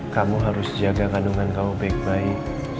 kamu harus jaga kandungan kamu baik baik